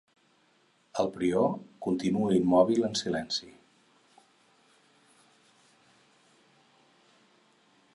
El prior continua immòbil, en silenci.